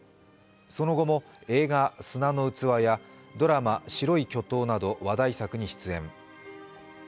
その後も映画「砂の器」やドラマ「白い巨塔」など話題作に出演。